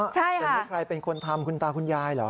ใช่ค่ะอย่างนี้ใครเป็นคนทำคุณตาคุณยายเหรอ